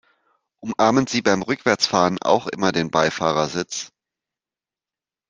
Umarmen Sie beim Rückwärtsfahren auch immer den Beifahrersitz?